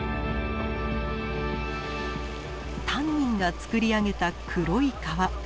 タンニンがつくり上げた黒い川。